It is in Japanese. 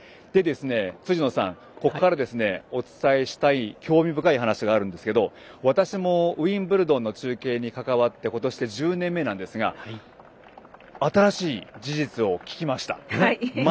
辻野さん、ここからお伝えしたい興味深い話があるんですけど私もウィンブルドンの中継に関わって今年で１０年目なんですが新しい事実を聞きました。